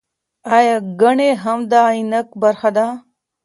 ایا ګېڼي هم د غنیمت برخه دي؟